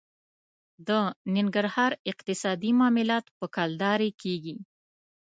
د ننګرهار اقتصادي معاملات په کلدارې کېږي.